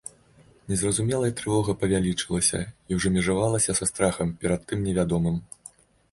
Незразумелая трывога павялічылася і ўжо межавалася са страхам перад тым невядомым.